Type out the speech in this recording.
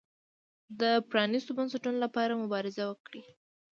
د پرانیستو بنسټونو لپاره مبارزه وکړي.